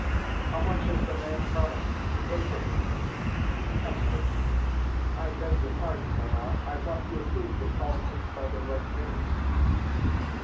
"How much has the man promised to pay for me?" "Hesper!" "I beg your pardon, mamma. I thought you approved of calling things by their right names!"